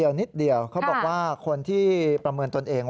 เดี๋ยวนิดเดียวเขาบอกว่าคนที่ประเมินตนเอง